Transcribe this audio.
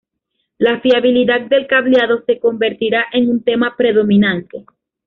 La fiabilidad del cableado se convertirá en un tema predominante.